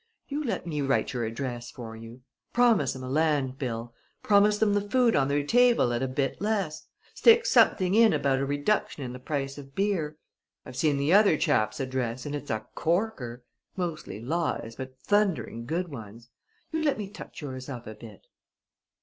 You let me write your address for you. Promise 'em a land bill. Promise them the food on their tables at a bit less. Stick something in about a reduction in the price of beer. I've seen the other chap's address and it's a corker! Mostly lies, but thundering good ones. You let me touch yours up a bit."